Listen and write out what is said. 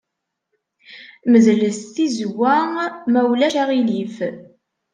Medlet tizewwa, ma ulac aɣilif.